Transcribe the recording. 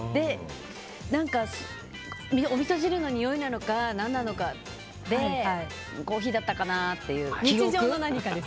何か、おみそ汁のにおいなのか何なのかでコーヒーだったかなと。